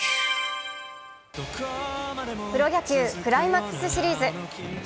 プロ野球クライマックスシリーズ。